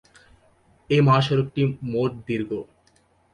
এই মহাসড়কটি মোট দীর্ঘ।